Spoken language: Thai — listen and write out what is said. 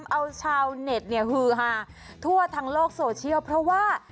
เอาชาวเน็ตเนี่ยฮือฮาทั่วทางโลกโซเชียลเพราะว่า